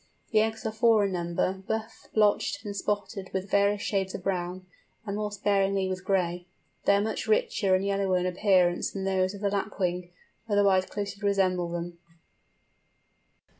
The eggs are four in number, buff blotched and spotted with various shades of brown, and more sparingly with gray. They are much richer and yellower in appearance than those of the Lapwing, otherwise closely resemble them.